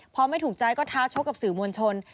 พอไม่ถูกใจก็ท้าชกกับสื่อมวลชน